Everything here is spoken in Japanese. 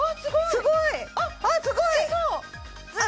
すごい！